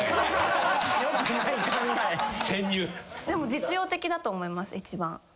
でも実用的だと思います一番。